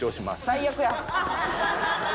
最悪や。